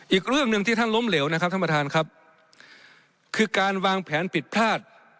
อีกเรื่องหนึ่งที่ท่านล้มเหลวนะครับท่านประธานครับคือการวางแผนผิดพลาด